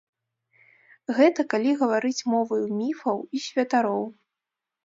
Гэта калі гаварыць моваю міфаў і святароў.